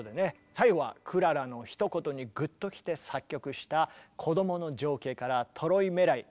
最後はクララのひと言にグッときて作曲した「こどもの情景」から「トロイメライ」